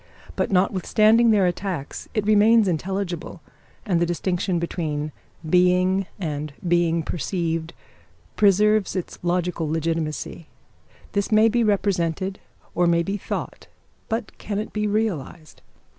But notwithstanding their attacks it remains intelligible, and the distinction between being and being perceived preserves its logical legitimacy. This may be represented, or may be thought; but can it be realised?